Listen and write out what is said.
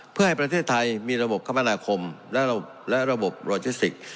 เพื่อให้ประเทศไทยมีระบบคมนาคมและระบบโรจิสติก